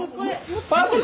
パーティー？